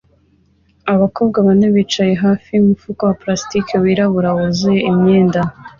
Abakobwa bane bicaye hafi yumufuka wa plastiki wirabura wuzuye umwenda